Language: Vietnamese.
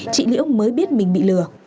chị liễu mới biết mình bị lừa